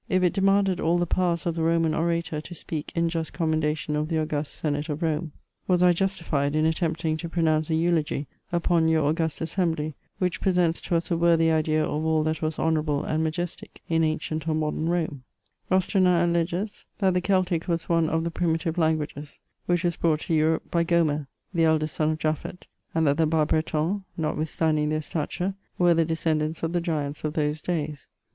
^^ If it demanded all the powers of the Roman orator to speak in just commendation of the august senate of Rome, was I 194 KEMOIBS OF justified in attempting to pronounce a eulogy upon your august assembly, which presents to us a worthy idea of all that was honourable and majestic in ancient or modern Rome T* Rostrenen alleges that the Celtic was one of the primitive languages, which was brought to Europe by Gomer, the eldest son of Japhet, and that the Bas^Bretana, notwithstanding their stature, were the descendants of the giants of those days.